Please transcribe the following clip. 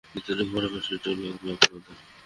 নিত্যদিনের খবরের পাশাপশি এটাও লাগবে আপনাদের।